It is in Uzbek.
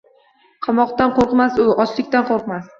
Qamoqdan qoʻrqmas u. Ochlikdan qoʻrqmas.